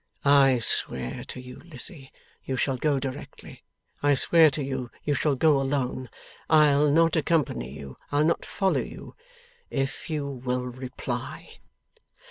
'I swear to you, Lizzie, you shall go directly. I swear to you, you shall go alone. I'll not accompany you, I'll not follow you, if you will reply.